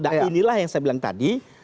dan inilah yang saya bilang tadi